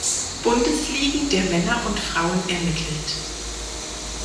Bundesligen der Männer und Frauen ermittelt.